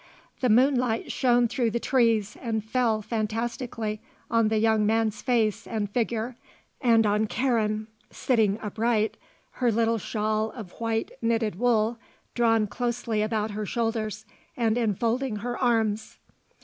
The moonlight shone through the trees and fell fantastically on the young man's face and figure and on Karen, sitting upright, her little shawl of white knitted wool drawn closely about her shoulders and enfolding her arms.